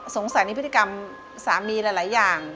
สงสัยในพฤติกรรมสามีหลายอย่าง